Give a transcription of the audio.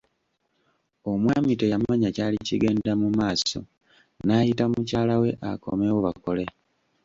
Omwami teyamanya kyali kigenda mu maaso, n'ayita mukyala we akomewo bakole.